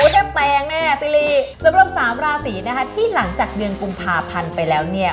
น้ำแตงแน่สิริสำหรับสามลาศีที่หลังจากเดือนกุมภาพันธ์ไปแล้วเนี้ย